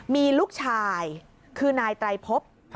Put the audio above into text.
มีลูกชายคือนายไตรพบ